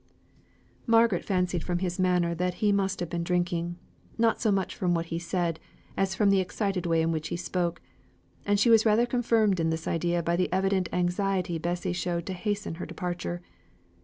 Margaret fancied from his manner that he must have been drinking, not so much from what he said, as from the excited way in which he spoke; and she was rather confirmed in this idea by the evident anxiety Bessie showed to hasten her departure.